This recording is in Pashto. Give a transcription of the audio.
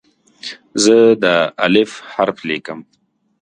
زه د "الف" حرف لیکم.